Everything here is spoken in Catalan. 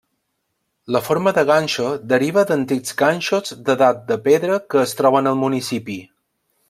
La forma de ganxo deriva d'antics ganxos d'edat de pedra que es troben al municipi.